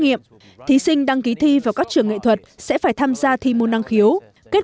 nghiệm thí sinh đăng ký thi vào các trường nghệ thuật sẽ phải tham gia thi môn năng khiếu kết